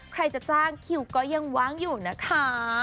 ใครจะจ้างคิวก็ยังว่างอยู่นะคะ